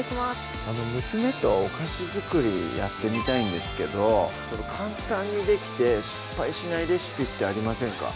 娘とお菓子づくりやってみたいんですけど簡単にできて失敗しないレシピってありませんか？